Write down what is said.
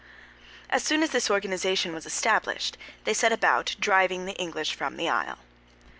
As soon as this organization was established, they set about driving the English from the Isle.